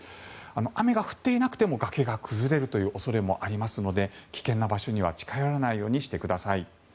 雨が降っていなくても崖が崩れるという恐れもありますので危険な場所には近寄らないようにしてください。